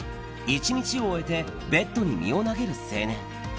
１日を終えてベッドに身を投げる青年。